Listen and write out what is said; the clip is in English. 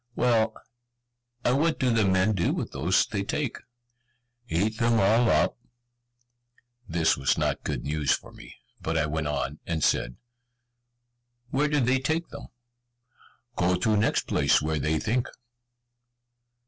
"Well, and what do the men do with those they take?" "Eat them all up." This was not good news for me, but I went on, and said, "Where do they take them?" "Go to next place where they think."